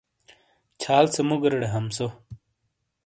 چھال سے مُگریڑے ہَمسو۔